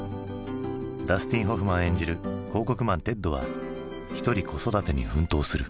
ダスティン・ホフマン演じる広告マンテッドは一人子育てに奮闘する。